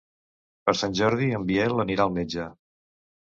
Per Sant Jordi en Biel anirà al metge.